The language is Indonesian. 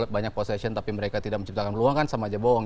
banyak possession tapi mereka tidak menciptakan peluang kan sama aja bohong